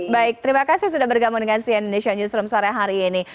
baik terima kasih sudah bergabung dengan cn indonesia newsroom sore hari ini